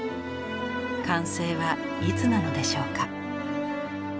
完成はいつなのでしょうか。